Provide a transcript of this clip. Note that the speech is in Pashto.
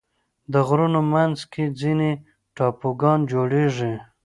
د غرونو منځ کې ځینې ټاپوګان جوړېږي.